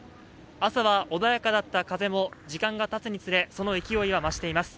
朝は穏やかだった風も時間がたつにつれその勢いは増しています